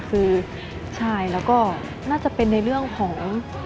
คือใช่แล้วก็น่าจะเป็นในเรื่องของ